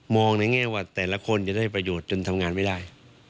ในแง่ว่าแต่ละคนจะได้ประโยชน์จนทำงานไม่ได้